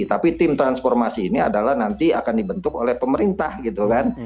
tapi tim transformasi ini adalah nanti akan dibentuk oleh pemerintah gitu kan